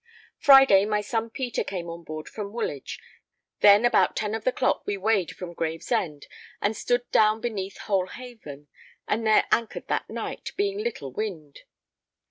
Friday, my son Peter came on board from Woolwich; then about 10 of the clock we weighed from Gravesend, and stood down beneath Hole Haven, and there anchored that night, being little wind.